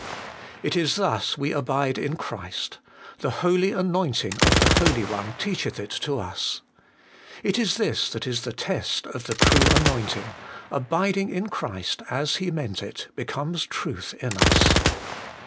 It 268 HOLY IN CHRIST. is thus we abide in Christ : the holy anointing of the Holy One teacheth it to us. It is this that is the test of the true anointing : abiding in Christ, as He meant it, becomes truth in us.